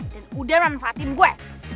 dan udah manfaatin gue